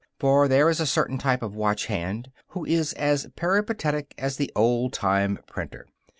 For there is a certain type of watch hand who is as peripatetic as the old time printer.